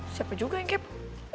siapa juga yang kepo